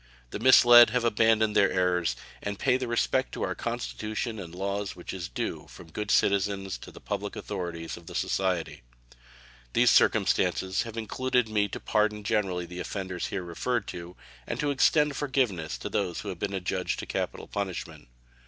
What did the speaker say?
The misled have abandoned their errors, and pay the respect to our Constitution and laws which is due from good citizens to the public authorities of the society. These circumstances have induced me to pardon generally the offenders here referred to, and to extend forgiveness to those who had been adjudged to capital punishment.